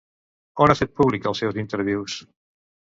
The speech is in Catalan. On ha fet públic els seus intervius?